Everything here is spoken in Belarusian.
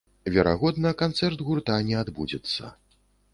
Верагодна, канцэрт гурта не адбудзецца.